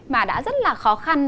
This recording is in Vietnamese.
mà đã rất là khó khăn